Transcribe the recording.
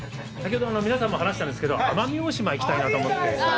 皆さんと話してたんですけど、奄美大島に行きたいなと思って。